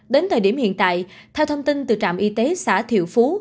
đến thời điểm hiện tại theo thông tin từ trạm y tế xã thiệu phú